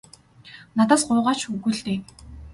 Надаас гуйгаа ч үгүй л дээ.